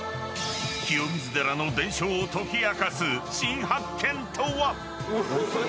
清水寺の伝承を解き明かす新発見とは。